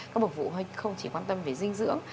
các bậc phụ huynh không chỉ quan tâm về dinh dưỡng